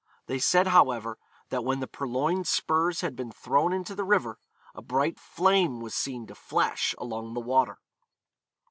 They said, however, that when the purloined spurs had been thrown into the river, a bright flame was seen to flash along the water.